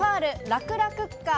ラクラ・クッカー